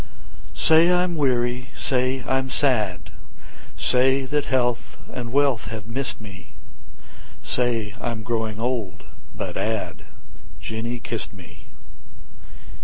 Say I'm weary, say I'm sad, 5 Say that health and wealth have miss'd me, Say I'm growing old, but add, Jenny kiss'd me.